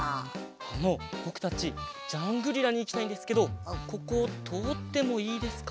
あのぼくたちジャングリラにいきたいんですけどこことおってもいいですか？